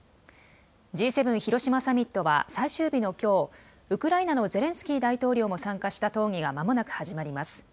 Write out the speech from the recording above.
Ｇ７広島サミットは最終日のきょう、ウクライナのゼレンスキー大統領も参加した討議がまもなく始まります。